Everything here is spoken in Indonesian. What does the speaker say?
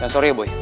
jangan sorenya boy